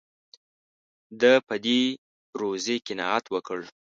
ده په دې روزي قناعت وکړ.